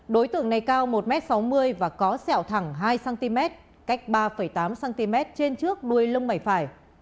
đối tượng này cao một m sáu mươi và có sẹo thẳng hai cm cách ba tám cm trên trước đuôi lông mày phải